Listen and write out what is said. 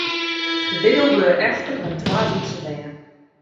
De widdo bleau efter mei twa lytse bern.